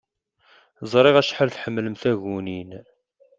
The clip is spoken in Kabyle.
Ẓriɣ acḥal ay tḥemmlem takunin.